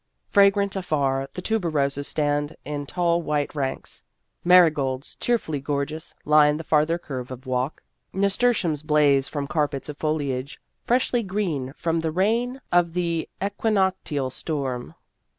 Fragrant afar, the tuberoses stand in tall white ranks ; marigolds, cheerfully gorgeous, line the farther curve of walk ; nastur tiums blaze from carpets of foliage freshly green from the rain of the equinoctial storm.